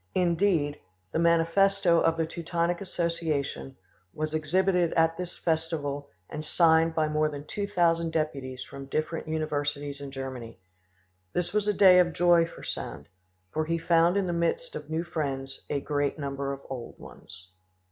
Indeed, the manifesto of the Teutonic Association was exhibited at this festival and signed by more than two thousand deputies from different universities in Germany. This was a day of joy for Sand; for he found in the midst of new friends a great number of old ones.